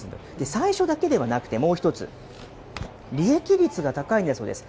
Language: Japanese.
最初だけではなくてもう一つ、利益率が高いんだそうです。